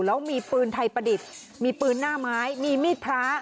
แล้วมีปืนไทยประดิษฐ์มีปืนหน้าไม้มีมีดพระ